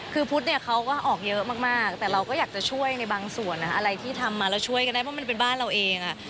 คือพุทธเนี่ยเขาก็ออกเยอะมากแต่เราก็อยากจะช่วยในบางส่วนอะไรที่ทำมาแล้วช่วยกันได้เพราะมันเป็นบ้านเราเอง